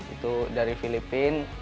itu dari filipina